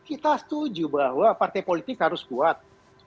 kita setuju bahwa partai politik harus kuat